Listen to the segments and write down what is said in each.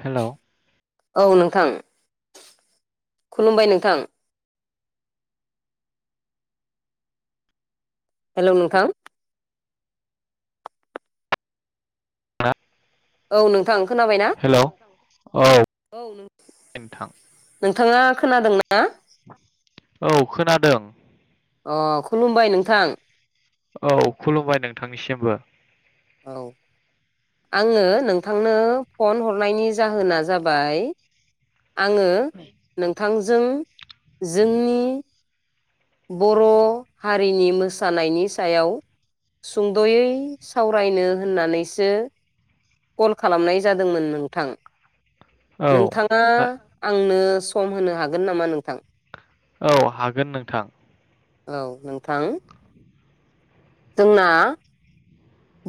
हेल' औ नोंथां खुलुमबाय नोंथां हेल' नोंथां हा औ नोंथां खोनाबायना औ औ नोंथां नोंथाङा खोनादों ना ना औ खोनादों अ खुलुमबाय नोंथां औ खुलुमबाय नोंथांनिसिमबो औ आङो नोंथांनो फन हरनायनि जाहोना जाबाय आङो नोंथां जों जोंनि बर' हारिनि मोसानायनि सायाव सुंद'यै सावरायनो होननानैसो कल खालामनाय जादोंमोन नोंथां औ नोंथाङा आंनो सम होनो हागोन नामा नोंथां औ हागोन नोंथां औ नोंथां जोंना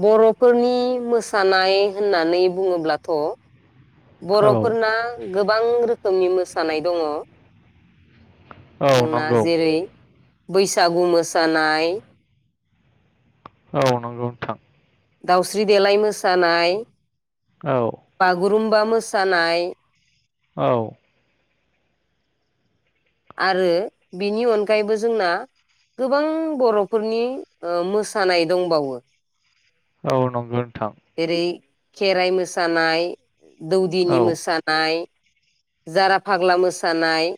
बर'फोरनि मोसानाय होननानै बुङोब्लाथ' औ बर'फोरना गोबां रोखोमनि मोसानाय दङ' औ जोंना नंगौ जेरै बैसागु मोसानाय औ नंगौ नोंथां दाउस्रि देलाय मोसानाय औ बागुरुम बा मोसानाय औ आरो बिनि अनगायैबो जोंना गोबां बर'फोरनि मोसानाय दंबावो औ नंगौ नोंथां एरै खेराइ मोसानाय औ दौदिनि मोसानाय जारा फाग्ला मोसानाय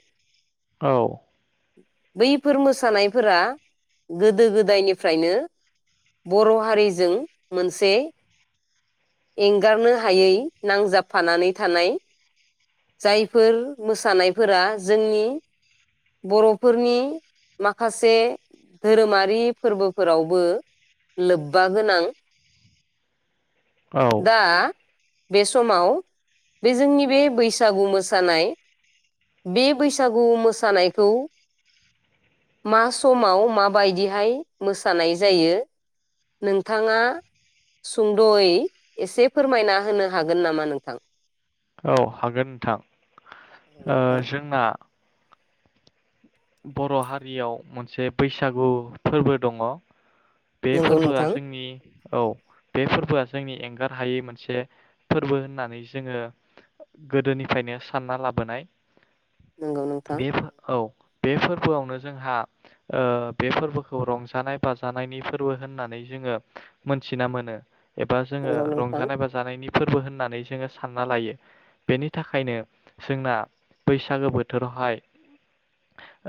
औ बैफोर मोसानायफोरा गोदो गोदायनिफ्रायनो बर' हारिजों मोनसे एंगारनो हायै नांजाबफानानै थानाय ।जायफोर मोसानायफोरा जोंनि बर'फोरनि माखासे धोरोमारि फोरबोफोरावबो लोब्बा गोनां। औ दा बे समाव बे जोंनि बे बैसागु मोसानाय बे बैसागु मोसानायखौ मा समाव माबायदिहाय मोसानाय जायो नोंथाङा सुंद'यै एसे फोरमायना होनो हागोन नामा नोंथां? औ हागोन नोंथां ओ नोंथां जोंना बर' हारियाव मोनसे बैसागु फोरबो दङ'। बे नंगौ फोरबोआ नोंथां जोंनि औ बे फोरबोआ जोंनि एंगार हायै मोनसे फोरबो होननानै जोङो गोदोनिफ्रायनो सानना लाबोनाय। नंगौ नोंथां बे फो औ बे फोरबोआवनो जोंहा ओ बे फोरबोखौ रंजानाय बाजानायनि फोरबो होननानै जोङो मोनथिना मोनो। एबा जोङो नंगौ नोंथां रंजानाय बाजानायनि फोरबो होननानै जोङो सानना लायो । बेनि थाखायनो जोंना बैसागो बोथोरावहाय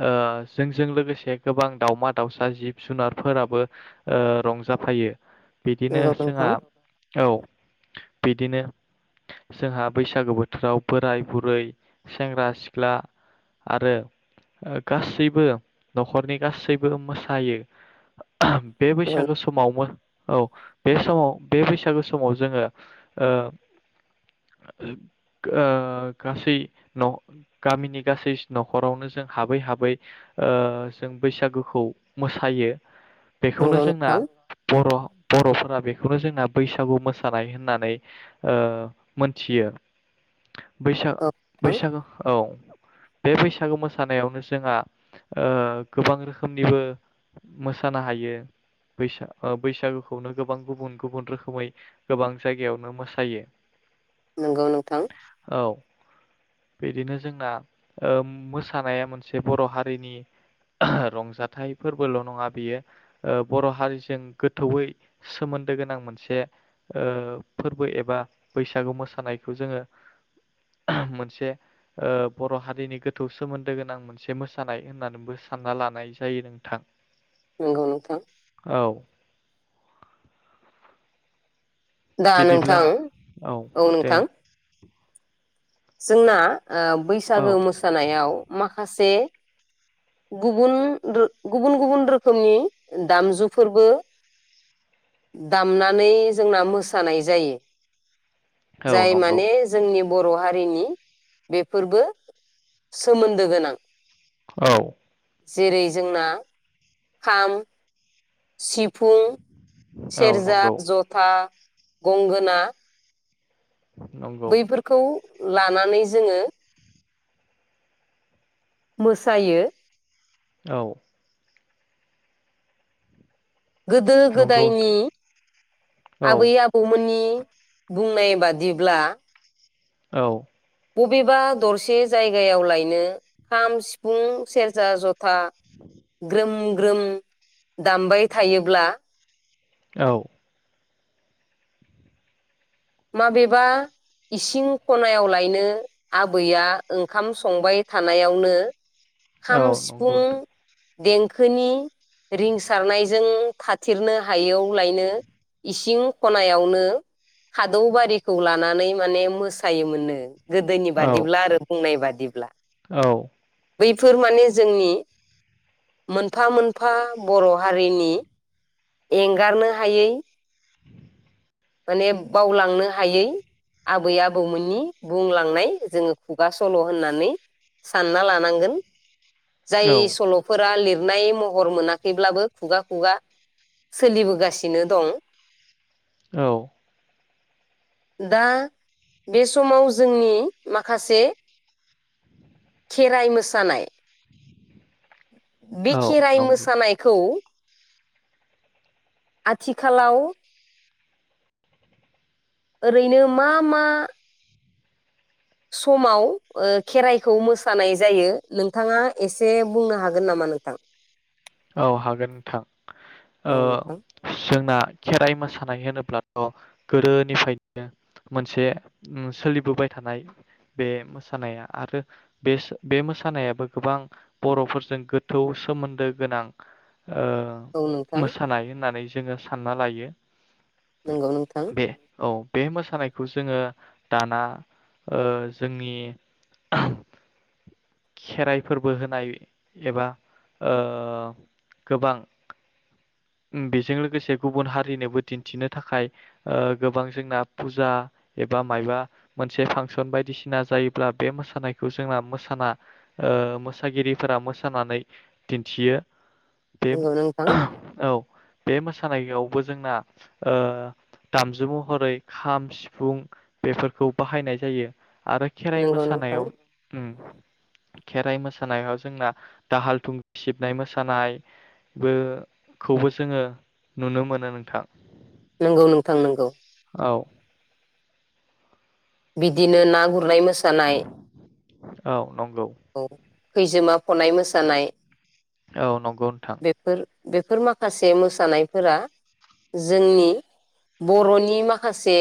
ओ जोंजों लोगोसे गोबां दाउमा दाउसा जिब जुनारफोराबो ओ रंजाफायो। बिदिनो नंगौ नोंथां जोंहा औ बिदिनो जोंहा बैसागो बोथोराव बोराय बुरै सेंग्रा सिख्ला आरो गासैबो न'खरनि गासैबो मोसायो । बे नंगौ बैसागो समाव मो औ बे समाव बे बैसागो समाव जोङो ओ ओ गासै न' गामिनि गासैस न'खरावनो जों हाबै हाबै ओ जों बैसागोखौ मोसायो । बेखौनो नंगौ जोंना नोंथां बर' बर'फोरा बेखौनो जोंना बैसागु मोसानाय होननानै ओ मोनथियो। बैसा औ नोंथां बैसागो औ बे बैसागो मोस सानायावनो जोंहा ओ गोबां रोखोमनिबो मोसानो हायो । बैसा बैसागुखौनो गोबां गुबुन गुबुन रोखोमै गोबां जायगायावनो मोसायो। नंगौ नोंथां। औ बिदिनो जोंना ओम मोस सानाया मोनसे बर' हारिनि [unintelligible] रंजाथाइ फोरबोल' नङा बियो ओ बर' हारिजों गोथौयै सोमोन्दो गोनां मोनसे ओ फोरबो एबा बैसागु मोसानायखौ जोङो [unintelligible] मोनसे ओ बर' हारिनि गोथौ सोमोन्दो गोनां मोनसे मोसानाय होननानैबो सानना लानाय जायो नोंथां। नंगौ नोंथां। औ दा बिदिब्ला नोंथां औ नोंथां। जोंना ओ औ बैसागो मोसानायाव माख माखासे गुबुन रो गुबुन गुबुन रोखोमनि दामजुफोरबो दामनानै जोंना मोसानाय जायो। औ जाय नंगौ माने जोंनि बर' हारि रिनि बेफोरबो सोमोन्दो गोनां। औ जेरै जोंना खाम सिफु औ सेरजा, नंगौ जथा गंगोना नंगौ बैफोरखौ लानानै जोङो मोसायो औ गोदो नंगौ गोदायनि औ आबै आबौमोननि बुंनाय बादिब्ला औ बबेबा दरसे जायगायाव लायनो खाम सिफुं सेरजा जथ था ग्रोम ग्रोम दामबाय थायोब्ला औ माबेबा इसिं खनायाव लाय बिदिनो आबैया ओंखाम संबाय थानायावनो खाम औ सिफुं नंगौ देंखोनि रिंसारनायजों थाथेरनो हायैयाव लायनो इसिं खनायावनो खादौ बारिखौ लानानै माने मोसायोमोननो। गोदोनि औ बादिब्ला आरो बुंनाय बाद दिब्ला औ बैफोर माने जोंनि मोनफा मोनफा बर' हारिनि एंगारनो हायै माने बावलांनो हायै आबै आबौमोननि बुंलांनाय जोङो खुगा सल' होननानै सानना लानांगोन। औ जाय सल'फोरा लिर नाय महर मोनाखैब्लाबो खुगा खुगा सोलिबोगासिनो दं। औ दा बे समाव जोंनि माखासे खेराइ मोसानाय बे खेराइ नंगौ मोसानायखौ आथिखालाव ओरैनो मा मा समाव ओ खेराइखौ मोसानाय जायो नोंथाङा एसे बुंनो हागोन नामा नोंथां? औ हागोन नोंथां ओ औ नोंथां जोंना खेराइ मोसानाय होनोब्लाथ गोदोनिफ्रायनो मोनसे ओ सोलिबोबाय थानाय बे मोसानाया आरो बे बे मोसानायाबो गोबां बरफोरजों गोथौ सोमोन्दो गोनां। ओ औ नोंथां मोसानाय होननानै जोंङो सानना लायो। नंगौ नोंथां। बे औ बे मोसानायखौ जोंङो दाना ओ जोंनि खेराइ फोरबो होनाय एबा ओ गोबां बेजों लोगोसे गुबुन हारिनोबो दिन्थिनो थाखाय गोबां जोंना फुजा एबा माबा मोनसे फांसन बायदिसिना जायोब्ला बे मोसानायखौ जोंना मोसाना ओ मोसागिरिफोरा मोसानानै दिन्थियो। बे नंगौ नोंथां औ। बे मोसानायावबो जोंना ओ दामजु महरै खाम सिफुं बेफोरखौ बाहायनाय जायो। आरो खेराइ नंगौ नोंथां मोसानायाव ओम खेराइ मोसानायाव जोंना दाहाल थुंग सिबनाय मोसानायखौबो जोंङो नुनो मोनो नोंथां नंगौ नोंथां नंगौ औ बिदिनो ना गुरनाय मोसानाय औ नंगौ खैजेमा खनाय मोसानाय औ नंगौ नोंथां बेफोर बेफोर माखासे मोसानायफोरा जोंनि बरनि माखासे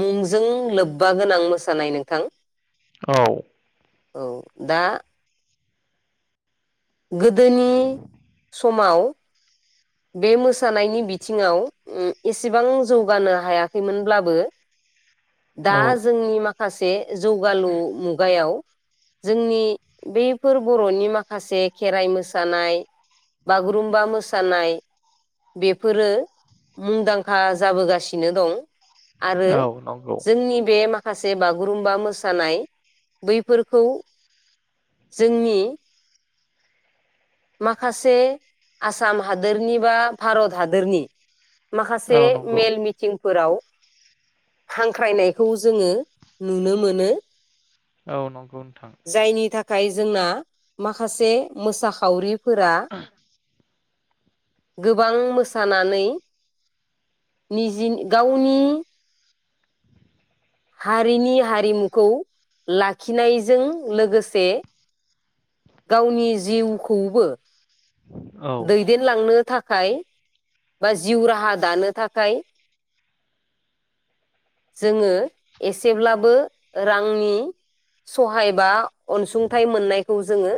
मुंजों लोब्बा गोनां मोसानाय नोंथां औ औ दा गोदोनि समाव बे मोसानायनि बिथिंङाव एसेबां जौगानो हायाखैमोनब्लाबो दा औ जोंनि माखासे सासे जौगालु मुगायाव जोंनि बैफोर बरनि माखासे खेराइ मोसानाय बागुरुम्बा मोसानाय बेफोरो मुंदांखा जाबोगासिनो दं आरो औ नंगौ जोंनि बे माखासे माखासे बागुरुम्बा मोसानाय बैफोरखौ जोंनि माखासे आसाम हादोरनि बा भारत हादोरनि औ माखासे नंगौ मेल मिटिं फोराव हांख्रायनायखौ जोंङो नुनो मोनो औ नंगौ नोंथां जायनि जोंना माखासे मोसा फावरि फोरा गोबां मोसानानै निजि गावनि हारिनि हारिमुखौ लाखिनायजों लोगोसे गावनि जिउखौबो औ दैदेनलांनो थाखाय थाखाय बा जिउ राहा दानो थाखाय जोङो एसेब्लाबो रांनि सहायबा अनसुंथाइ मोननायखौ जोंओ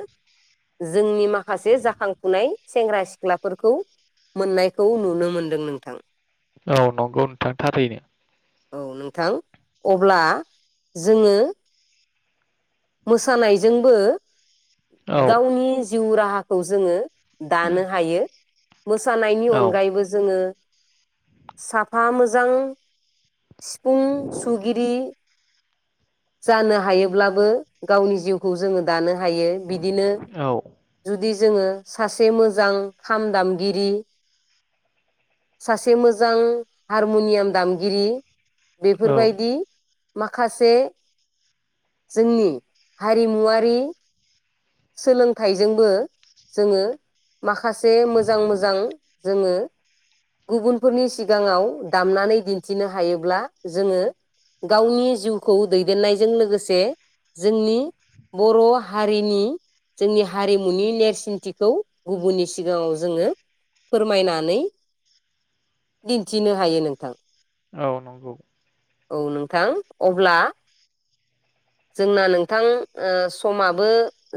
जोंनि मा माखासे जाखांफुनाय सेंग्रा सिख्लाफोरखौ मोननायखौ नुनो मोनदों नोंथां। औ नंगौ नोंथां थारैनो औ नोंथां अब्ला जोङो मोसानायजोंबो औ गावनिज जिउ राहाखौ जोङो दानो हायो। मोसानायनि अनगायैबो जोङो साफा मोजां सिफुं सुगिरि जानो हायोब्लाबो गावनि जिउखौ जोङो दानो हायो बिदिनो औ जुदि जोङो सासे मोजां खाम दामगिरि सासे मोजां हारमुनियाम दामगिरि औ बेफोरबायदि माखासे जोंनि हारिमुवारि सोलोंथाइजोंबो जोङो माखा माखासे मोजां मोजां जोङो गुबुनफोरनि सिगाङाव दामनानै दिन्थिनो हायोब्ला जोङो गावनि जिउखौ दैदेननायजों लोगोसे जोंनि बर' हारिनि जोंनि हारिमुनि नेरसोन्थिखौ गुबुननि सिगाङाव जोङो फोरमायनानै दिन्थिनो हायो नोंथां। औ नंगौ। औ नोंथां अब्ला जोंना नोंथां ओ समाबो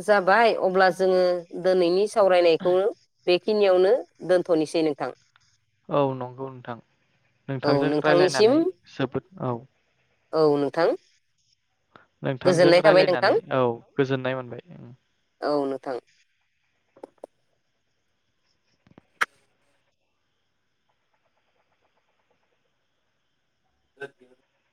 जाबाय अब्ला जोङो दोनैनि सावरायनायखौनो बे खिनियावनो दोनथ'नोसै नोंथां। औ नंगौ नोंथां औ नोंथांजों नोंथांनिसिम रायज्लायनानै जोबोद औ। औ नोंथां। नोंथांजों गोजोननाय थाबाय नोंथां रायलायनानै औ गोजोननाय मोनबाय। औ नोंथां। [unintelligible]